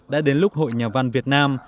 đã đến lúc hội nhà văn việt nam